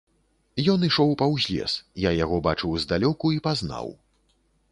Ён ішоў паўз лес, я яго бачыў здалёку і пазнаў.